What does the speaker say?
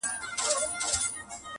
• خلک بيا بحث شروع کوي ډېر..